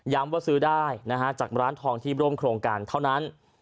ว่าซื้อได้จากร้านทองที่ร่วมโครงการเท่านั้น